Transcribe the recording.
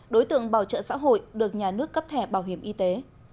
đối tượng bảo trợ xã hội được nhà nước cấp thẻ bảo hiểm y tế